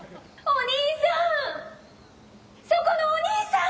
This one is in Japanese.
・お兄さん！